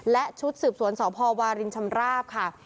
และชุดสืบสวนสพวารินชำราบค่ะ